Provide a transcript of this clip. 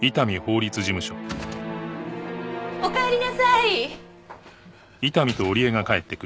おかえりなさい。